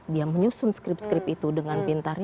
dia menyusun skrip skrip itu dengan pintar